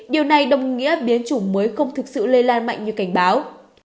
điều này đồng nghĩa biến chủng mới không thực sự lây lan mạnh như cảnh báo